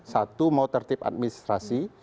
satu mau tertib administrasi